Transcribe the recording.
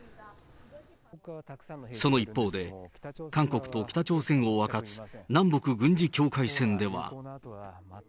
その一方で、韓国と北朝鮮を分かつ南北軍事境界線では。